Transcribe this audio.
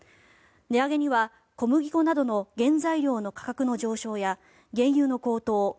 値上げには小麦粉などの原材料の価格の上昇や原油の高騰